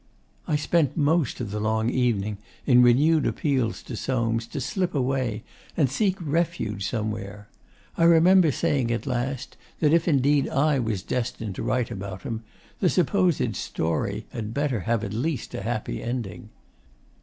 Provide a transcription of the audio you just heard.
I spent most of the long evening in renewed appeals to Soames to slip away and seek refuge somewhere. I remember saying at last that if indeed I was destined to write about him, the supposed 'stauri' had better have at least a happy ending.